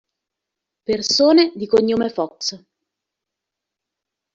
Persone di cognome Fox